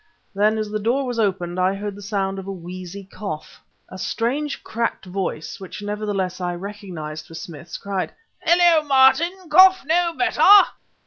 Then, as the door was opened, I heard the sound of a wheezy cough. A strange cracked voice (which, nevertheless, I recognized for Smith's) cried, "Hullo, Martin! cough no better?"